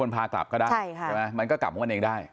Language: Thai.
มันก็กลับมากับมันเองได้